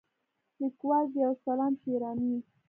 لیکوال: ضیاءالاسلام شېراني